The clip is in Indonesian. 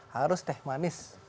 harus teh manis